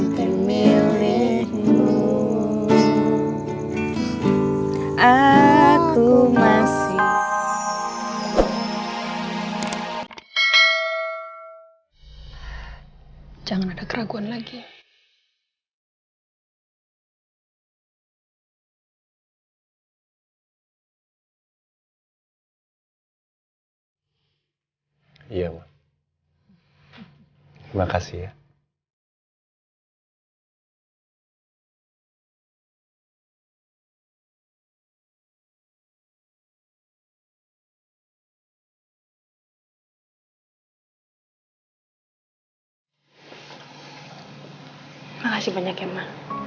terima kasih banyak ya ma